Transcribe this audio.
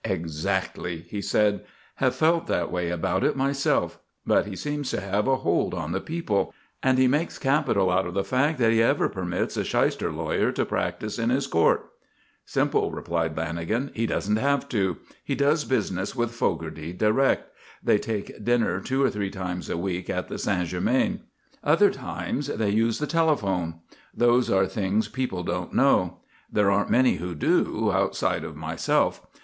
"Exactly," he said. "Have felt that way about it myself. But he seems to have a hold on the people. And he makes capital out of the fact that he ever permits a 'shyster' lawyer to practise in his court." "Simple," replied Lanagan. "He doesn't have to. He does business with Fogarty direct. They take dinner two or three times a week at the St. Germain. Other times they use the telephone. Those are things people don't know. There aren't many who do outside of myself.